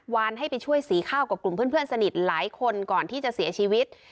ให้ไปช่วยสีข้าวกับกลุ่มเพื่อนสนิทหลายคนก่อนที่จะเสียชีวิต